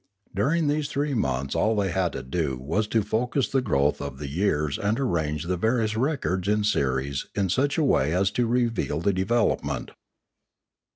During these three months all they had to do was to focus the growth of the years and arrange the various records in series in such a way as to reveal the development.